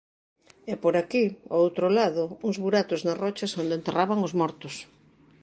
E, por aquí, ó outro lado, uns buratos nas rochas onde enterraban os mortos.